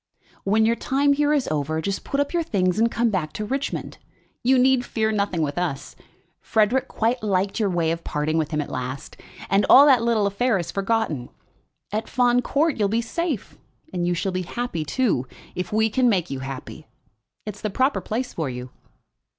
"When your time here is over, just put up your things and come back to Richmond. You need fear nothing with us. Frederic quite liked your way of parting with him at last, and all that little affair is forgotten. At Fawn Court you'll be safe; and you shall be happy, too, if we can make you happy. It's the proper place for you."